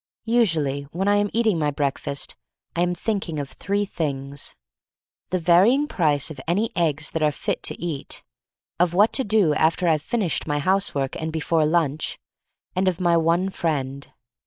Usually when I am eating my breakfast I am thinking of three things: the vary ing price of any eggs that are fit to eat ; of what to do after Fve finished my housework and before lunch; and of my one friend.